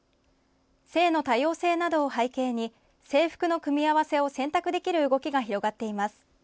性の多様性などを背景に制服の組み合わせを選択できる動きが広がっています。